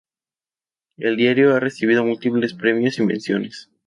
El diario ha recibido múltiples premios y menciones.